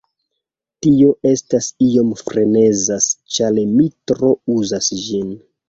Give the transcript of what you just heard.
Tio estas iom frenezas ĉar mi tro uzas ĝin.